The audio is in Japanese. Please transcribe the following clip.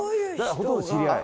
ほとんど知り合い。